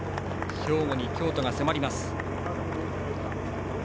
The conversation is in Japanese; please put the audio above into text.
兵庫に京都が迫ります。